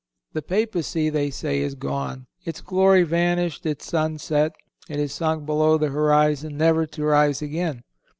"The Papacy," they say, "is gone. Its glory is vanished. Its sun is set. It is sunk below the horizon, never to rise again."